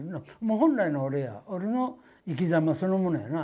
本来の俺や、俺の生きざまそのものやな。